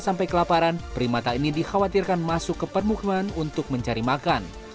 sampai kelaparan primata ini dikhawatirkan masuk ke permukiman untuk mencari makan